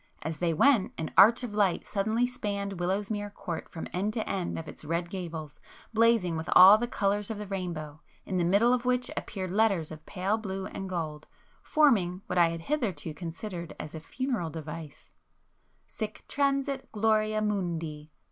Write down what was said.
As they went an arch of light suddenly [p 285] spanned Willowsmere Court from end to end of its red gables, blazing with all the colours of the rainbow, in the middle of which appeared letters of pale blue and gold, forming what I had hitherto considered as a funereal device, "Sic transit gloria mundi!